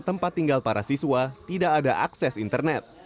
tempat tinggal para siswa tidak ada akses internet